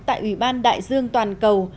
tại ủy ban đại dương toàn cầu